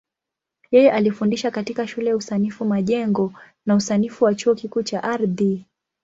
Yeye alifundisha katika Shule ya Usanifu Majengo na Usanifu wa Chuo Kikuu cha Ardhi.